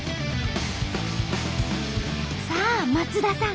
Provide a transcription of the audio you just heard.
さあ松田さん